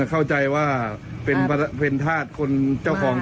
อ้าวเขาบอกพระพุทธพระทำประสงค์อ๋อพระพุทธพระทำประสงค์